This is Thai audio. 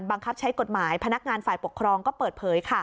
บังคับใช้กฎหมายพนักงานฝ่ายปกครองก็เปิดเผย